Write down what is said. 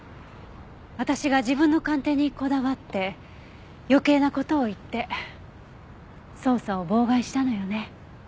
私が自分の鑑定にこだわって余計な事を言って捜査を妨害したのよね。